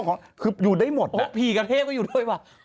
วิชานี้ฉันได้แต่ใดมาเป็นคนมีมิติวิชานี้ฉันได้แต่ใดมา